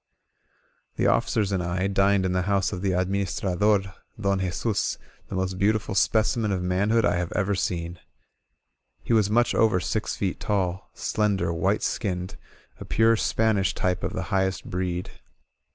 The officers and I dined in the house of the admims trader Don Jesus, the most beautiful specimen of man hood I have ever seen. He was much over six feet tall, slender, white skinned — a pure Spanish type of the highest breed.